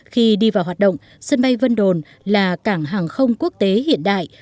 khi đi vào hoạt động sân bay vân đồn là cảng hàng không quốc tế hiện đại